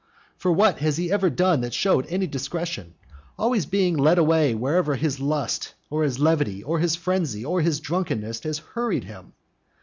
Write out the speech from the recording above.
For what has he ever done that showed any discretion, being always led away wherever his lust, or his levity, or his frenzy, or his drunkenness has hurried him?